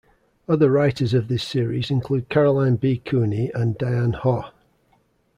Other writers of this series include Caroline B. Cooney and Diane Hoh.